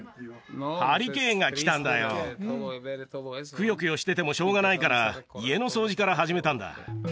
くよくよしててもしょうがないから家の掃除から始めたんだ